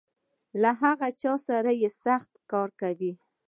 له هغه چا سره چې سخت کار کوي .